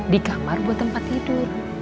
di kamar buat tempat tidur